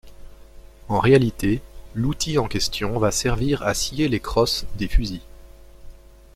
En réalité, l'outil en question va servir à scier les crosses des fusils.